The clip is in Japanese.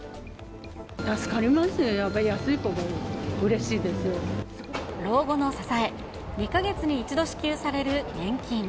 助かりますよ、老後の支え、２か月に１度支給される年金。